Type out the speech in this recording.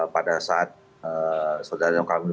pada saat saudara zaki bergabung